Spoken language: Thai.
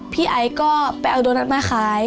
ไอซ์ก็ไปเอาโดนัทมาขาย